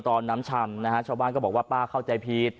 ต่อน้ำฉ่ำชาวบ้านก็บอกว่าป้าเข้าใจผิด